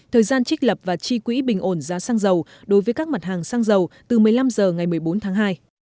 thời gian trích lập và chi quỹ bình ổn giá xăng dầu đối với các mặt hàng xăng dầu từ một mươi năm h ngày một mươi bốn tháng hai